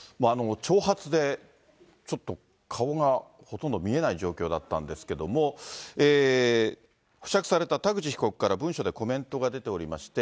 長髪でちょっと顔がほとんど見えない状況だったんですけれども、保釈された田口被告から文書でコメントが出ておりまして。